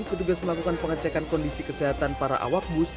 petugas melakukan pengecekan kondisi kesehatan para awak bus